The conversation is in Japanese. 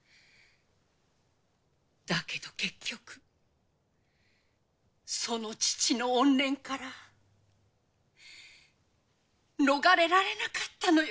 だけど結局その父の怨念から逃れられなかったのよ